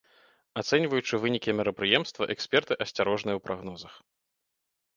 Ацэньваючы вынікі мерапрыемства, эксперты асцярожныя ў прагнозах.